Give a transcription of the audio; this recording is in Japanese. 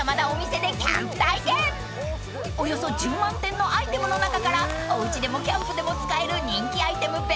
［およそ１０万点のアイテムの中からおうちでもキャンプでも使える人気アイテム